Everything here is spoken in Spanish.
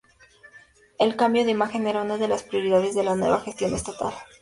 El cambio de imagen era una de las prioridades de la nueva gestión Estatal.